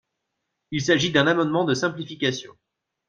Il s’agit d’un amendement de simplification.